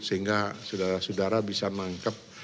sehingga saudara saudara bisa mangkep